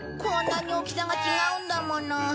こんなに大きさが違うんだもの。